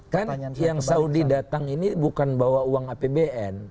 kan yang saudi datang ini bukan bawa uang apbn